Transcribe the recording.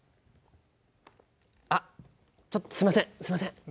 あっちょっとすいませんすいません。